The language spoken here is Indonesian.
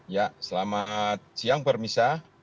ya selamat siang permisa